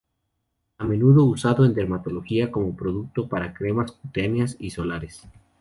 A menudo usado en dermatología como producto para cremas cutáneas y solares.